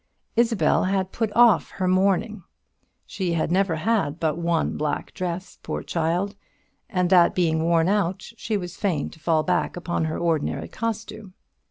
Isabel had put off her mourning. She had never had but one black dress, poor child; and that being worn out, she was fain to fall back upon her ordinary costume.